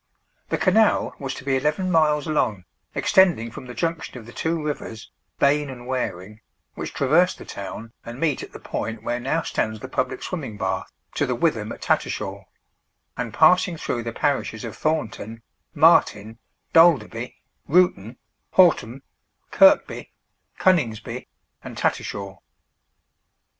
The canal was to be 11 miles long, extending from the junction of the two rivers, Bain and Waring, which traverse the town and meet at the point where now stands the public swimming bath, to the Witham at Tattershall; and passing through the parishes of Thornton, Martin, Dalderby, Roughton, Haltham, Kirkby, Coningsby, and Tattershall.